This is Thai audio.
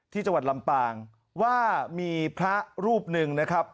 จังหวัดลำปางว่ามีพระรูปหนึ่งนะครับ